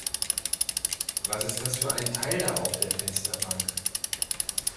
Was ist das für ein Teil da auf der Fensterbank?